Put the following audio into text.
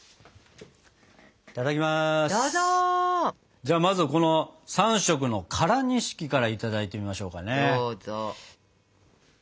じゃあまずはこの３色の唐錦からいただいてみましょうかね。